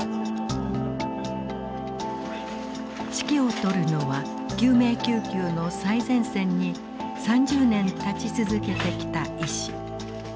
指揮を執るのは救命救急の最前線に３０年立ち続けてきた医師。